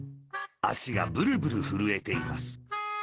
あしがブルブルふるえています。